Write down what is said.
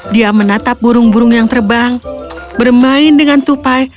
dia menatap burung burung yang terbang bermain dengan tupai